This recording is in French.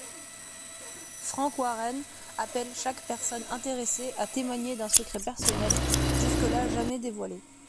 Frank Warren appelle chaque personne intéressée à témoigner d'un secret personnel jusque-là jamais dévoilé.